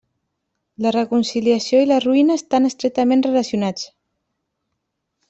La reconciliació i la ruïna estan estretament relacionats.